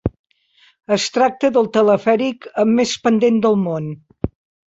Es tracta del telefèric amb més pendent del món.